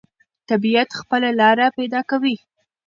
طبیعت خپله لاره پیدا کوي.